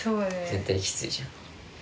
絶対きついじゃん。